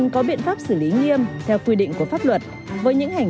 chấp hành cái cái việc